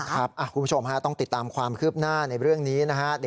คุณผู้ชมฮะต้องติดตามความคืบหน้าในเรื่องนี้นะครับ